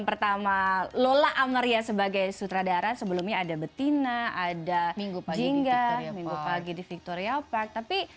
pertama lola amaria sebagai sutradara sebelumnya ada betina ada minggu pagi minggu pagi di victorial park tapi